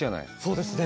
そうですね